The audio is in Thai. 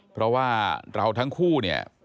เพราะว่าเราทั้งคู่เนี่ย